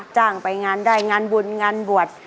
จ้างไปงานได้งานบุญงานบวช